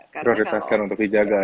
prioritas kan untuk dijaga